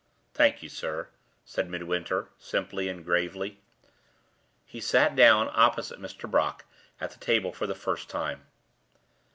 "Thank you, sir," said Midwinter, simply and gravely. He sat down opposite Mr. Brook at the table for the first time.